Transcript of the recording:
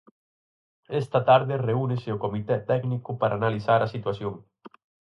Esta tarde reúnese o comité técnico para analizar a situación.